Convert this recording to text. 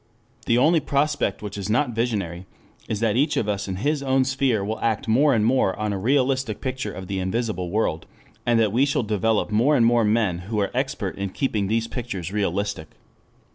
The only prospect which is not visionary is that each of us in his own sphere will act more and more on a realistic picture of the invisible world, and that we shall develop more and more men who are expert in keeping these pictures realistic.